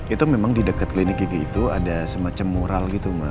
itu memang di dekat klinik gigi itu ada semacam mural gitu mbak